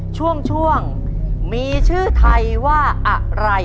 ช่วงมีชื่อไทยว่าอะไร